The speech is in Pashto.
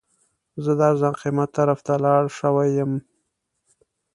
زه د ارزان قیمت طرف ته لاړ شوی یم.